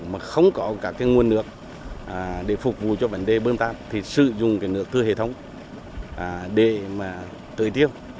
mà không có cả cái nguồn nước để phục vụ cho vấn đề bơm tạp thì sử dụng cái nước thư hệ thống để tự tiêu